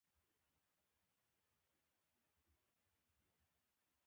خدای پالنه کې اسماني کوچنۍ ډلې خدایان ګڼل کېږي.